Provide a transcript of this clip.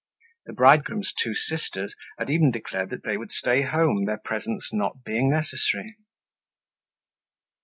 The bridegroom's two sisters had even declared that they would stay home, their presence not being necessary.